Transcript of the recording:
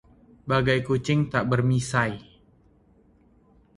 Bagai kucing tak bermisai